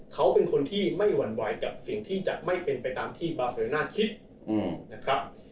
เขาเป็นคนที่ไม่หวั่นวายกับสิ่งที่จะไม่เป็นไปตามที่บาเซอร์น่าคิดนะครับ